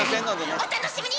お楽しみに！